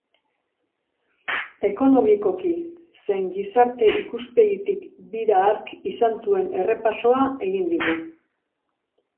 Ekonomikoki zein gizarte ikuspegitik bira hark izan zuen errepasoa egin digu.